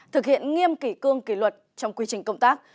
thực hiện nghiêm kỷ cương kỷ luật trong quy trình công tác